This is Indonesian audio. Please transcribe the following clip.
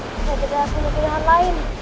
saya tidak punya pilihan lain